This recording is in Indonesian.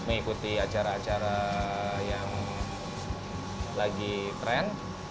mengikuti acara acara yang lagi keren